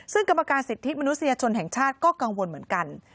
ซึ่งกรรมการสิทธิมนุษยชนแห่งชาติก็กังวลเหมือนกัน